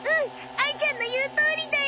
あいちゃんの言うとおりだよ。